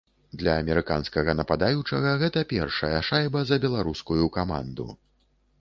Для амерыканскага нападаючага гэта першая шайба за беларускую каманду.